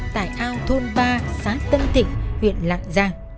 tại ao thôn ba xã tân thịnh huyện lạng giang